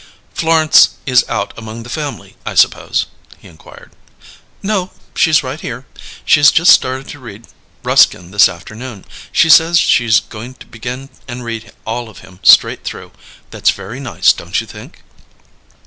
"Florence is out among the family, I suppose?" he inquired. "No; she's right here. She's just started to read Ruskin this afternoon. She says she's going to begin and read all of him straight through. That's very nice, don't you think?"